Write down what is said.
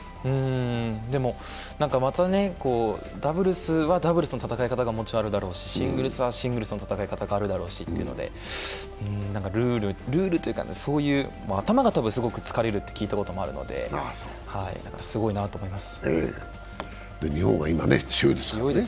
でも、またダブルスはダブルスの戦い方があるだろうしシングルスはシングルスの戦い方があるだろうしというので、頭がすごく疲れると聞いたことがあるのですごいなと思います。